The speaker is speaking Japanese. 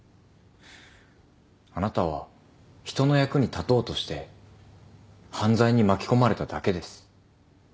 あなたは人の役に立とうとして犯罪に巻き込まれただけです。